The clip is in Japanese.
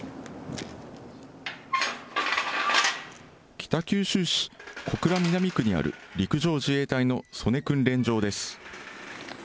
北九州市小倉南区にある陸上自衛隊の曽根訓練場です。